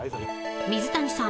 ［水谷さん。